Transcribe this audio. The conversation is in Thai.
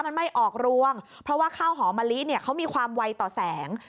มันไม่ออกรวงเพราะว่าข้าวหอมะลิเนี่ยเขามีความไวต่อแสง